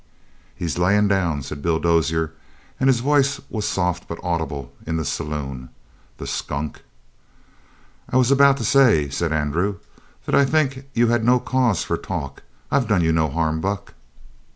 "He's layin' down," said Bill Dozier, and his voice was soft but audible in the saloon. "The skunk!" "I was about to say," said Andrew, "that I think you had no cause for talk. I've done you no harm, Buck."